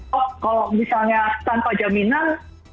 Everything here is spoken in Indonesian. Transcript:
kalau misalnya tanpa jaminan